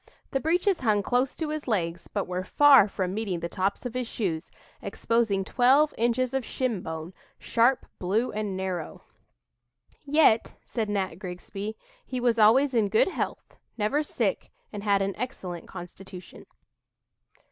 The breeches hung close to his legs, but were far from meeting the tops of his shoes, exposing 'twelve inches of shinbone, sharp, blue and narrow.'" "Yet," said Nat Grigsby, "he was always in good health, never sick, and had an excellent constitution."